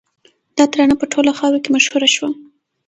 دا ترانه په ټوله خاوره کې مشهوره شوه